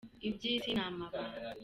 Iby’isi ni amabanga.